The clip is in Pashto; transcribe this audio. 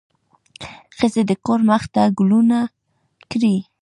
ښځې د کور مخ ته ګلونه کري.